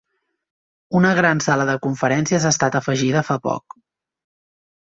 Una gran sala de conferències ha estat afegida fa poc.